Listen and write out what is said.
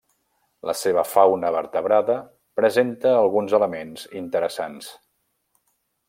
La seva fauna vertebrada presenta alguns elements interessants.